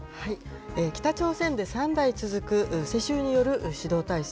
北朝鮮で３代続く世襲による指導体制。